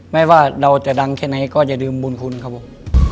ไม่ว่าเราจะดังแค่ไหนก็อย่าลืมบุญคุณครับผม